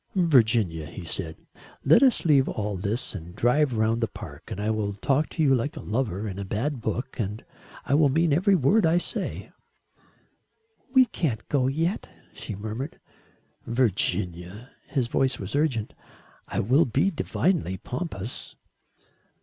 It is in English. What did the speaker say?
"Virginia," he said, "let us leave all this and drive round the park and I will talk to you like a lover in a bad book and I will mean every word I say." "We can't go yet," she murmured. "Virginia," his voice was urgent "I will be divinely pompous."